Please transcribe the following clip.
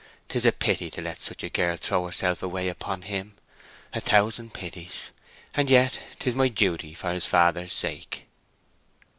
'Tis a pity to let such a girl throw herself away upon him—a thousand pities!...And yet 'tis my duty for his father's sake."